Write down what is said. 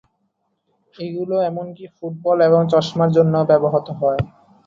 এগুলো এমনকি ফুটবল এবং চশমার জন্যও ব্যবহৃত হয়।